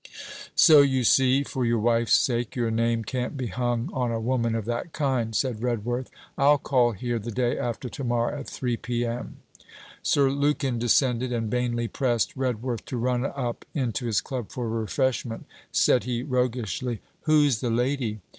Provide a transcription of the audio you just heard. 'So, you see, for your wife's sake, your name can't be hung on a woman of that kind,' said Redworth. 'I'll call here the day after to morrow at three P.M.' Sir Lukin descended and vainly pressed Redworth to run up into his Club for refreshment. Said he roguishly: 'Who 's the lady?'